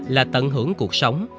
là tận hưởng cuộc sống